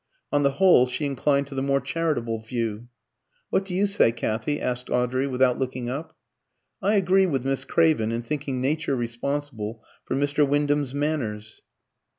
On the whole, she inclined to the more charitable view. "What do you say, Kathy?" asked Audrey, without looking up. "I agree with Miss Craven in thinking nature responsible for Mr. Wyndham's manners."